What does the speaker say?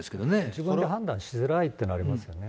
自分で判断しづらいというのはありますよね。